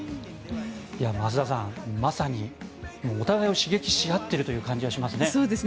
増田さんまさにお互いを刺激し合っているという感じがしますね。